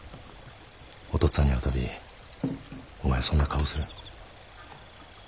お父っつぁんに会うたびお前はそんな顔をする。